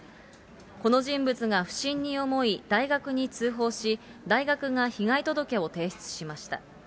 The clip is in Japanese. この人物が不審に思い、大学に通報し、大学が被害届を提出しました。